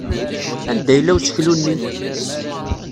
Anda yella useklu-nni?